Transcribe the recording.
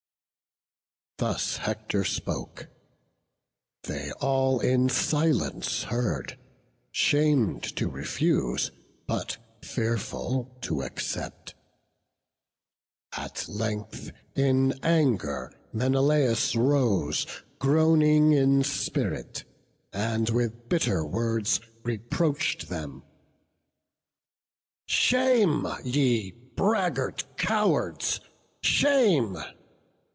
Thus Hector spoke; they all in silence heard, Sham'd to refuse, but fearful to accept. At length in anger Menelaus rose, Groaning in spirit, and with bitter words Reproach'd them: "Shame, ye braggart cowards, shame!